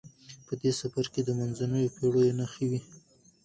په دې سفر کې د منځنیو پیړیو نښې وې.